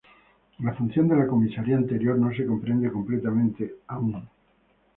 La función de la comisura anterior no se comprende completamente todavía.